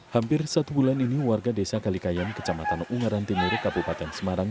hampir satu bulan ini warga desa kalikayam kecamatan ungaran timur kabupaten semarang